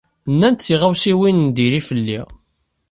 Nnan-d tiɣawsiwin n diri fell-i.